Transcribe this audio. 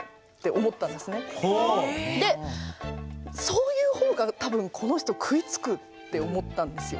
そういうほうが多分この人食いつくって思ったんですよ。